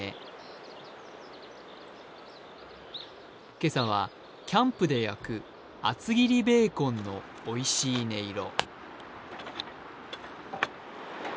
今朝はキャンプで焼く厚切りベーコンのおいしい音色。